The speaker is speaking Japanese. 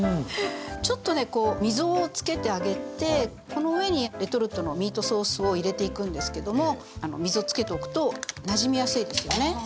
ちょっとねこう溝をつけてあげてこの上にレトルトのミートソースを入れていくんですけども溝つけておくとなじみやすいですよね。